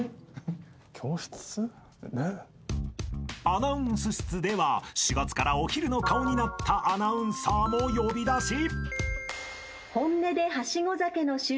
［アナウンス室では４月からお昼の顔になったアナウンサーも呼び出し］